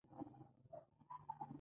نړیوال بانک له افغانستان سره مرسته کوي